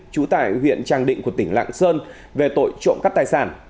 chú tại huyện tràng định của tỉnh lạng sơn về tội trộm cắt tài sản